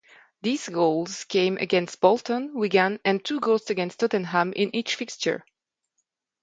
These goals came against Bolton, Wigan and two goals against Tottenham in each fixture.